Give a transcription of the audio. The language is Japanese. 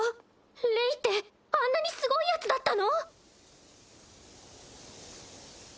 レイってあんなにすごいヤツだったの！？